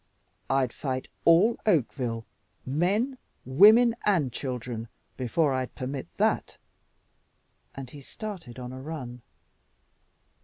I'd fight all Oakville men, women, and children before I'd permit that," and he started on a run.